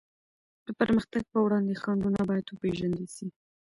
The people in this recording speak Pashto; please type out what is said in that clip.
د پرمختګ په وړاندي خنډونه بايد وپېژندل سي.